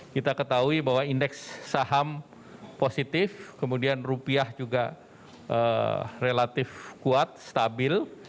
kita ketahui bahwa indeks saham positif kemudian rupiah juga relatif kuat stabil